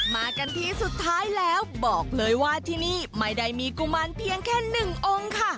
มากันที่สุดท้ายแล้วบอกเลยว่าที่นี่ไม่ได้มีกุมารเพียงแค่หนึ่งองค์ค่ะ